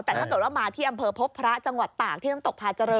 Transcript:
แต่ถ้าเกิดมาที่อำเฟิร์ภพพระจังหวัดปากที่ถงตกพาเจริญ